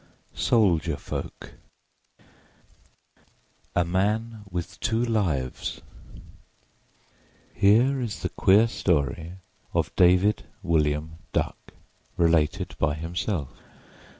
SOLDIER FOLK A MAN WITH TWO LIVES HERE is the queer story of David William Duck, related by himself.